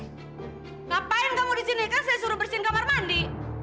ngapain kamu disini kan saya suruh bersihin kamar mandi